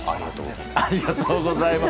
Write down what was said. ありがとうございます。